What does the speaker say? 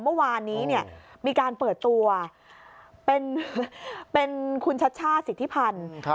เมื่อวานนี้มีการเปิดตัวเป็นคุณชัชชาติสิทธิพันธ์